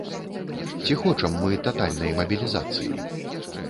Ці хочам мы татальнай мабілізацыі?